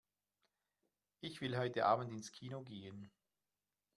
Ich will heute Abend ins Kino gehen.